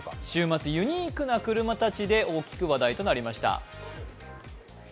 週末、ユニークな車たちで大きく話題となりました。